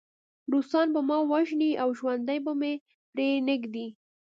روسان به ما وژني او ژوندی به مې پرېنږدي